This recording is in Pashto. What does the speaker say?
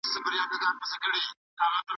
ما غوښهمېشه چي بېدېدم خو کار مي درلودی.